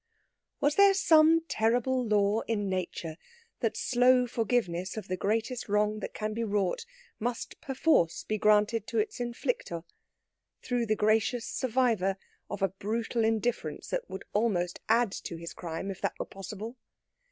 Was there some terrible law in Nature that slow forgiveness of the greatest wrong that can be wrought must perforce be granted to its inflictor, through the gracious survivor of a brutal indifference that would almost add to his crime, if that were possible?